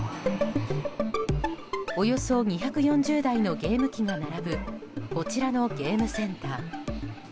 およそ２４０台のゲーム機が並ぶこちらのゲームセンター。